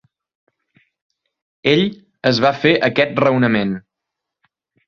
Ell es va fer aquest raonament.